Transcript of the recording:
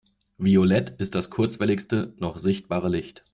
Violett ist das kurzwelligste noch sichtbare Licht.